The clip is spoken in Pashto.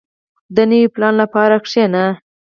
• د نوي پلان لپاره کښېنه.